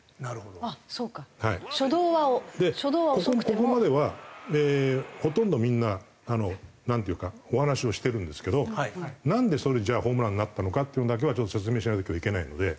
ここまではほとんどみんななんていうかお話をしてるんですけどなんでそれじゃあホームランになったのかっていうのだけはちょっと説明しないといけないので。